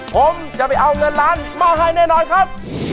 ผมจะไปเอาเงินล้านมาให้แน่นอนครับ